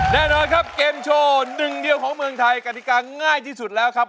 แน่นอนครับเกมโชว์หนึ่งเดียวของเมืองไทยกฎิกาง่ายที่สุดแล้วครับ